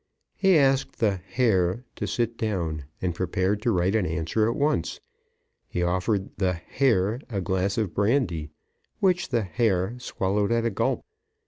He asked the "Herr" to sit down, and prepared to write an answer at once. He offered the Herr a glass of brandy, which the Herr swallowed at a gulp.